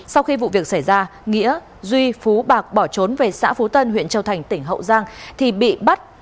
sau khi vụ việc xảy ra nghĩa duy phú bạc bỏ trốn về xã phú tân huyện châu thành tỉnh hậu giang thì bị bắt